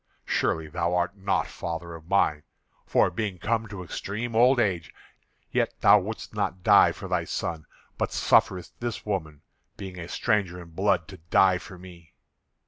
Surely thou art not father of mine. For being come to extreme old age, yet thou wouldst not die for thy son, but sufferedst this woman, being a stranger in blood, to die for me.